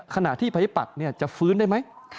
ขณะที่ภัยปัตย์จะฟื้นได้ไหม